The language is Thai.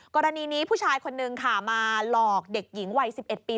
กรณีนี้ผู้ชายคนนึงค่ะมาหลอกเด็กหญิงวัย๑๑ปี